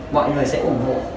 mọi người sẽ ủng hộ